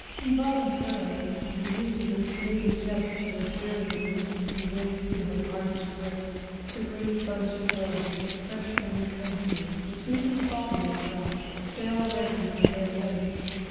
Involuntarily Elizabeth made a gesture of weariness, and raised to her parched lips the great bunch of roses, fresh from the country, which Mrs. Bobby had brought. They already hung their heads.